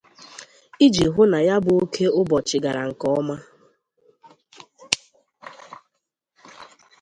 iji hụ na ya bụ oke ụbọchị gara nke ọma